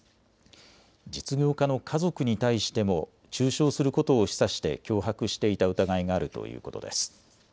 実業家の家族に対しても中傷することを示唆して脅迫していた疑いがあるということです。